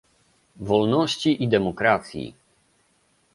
wolności i demokracji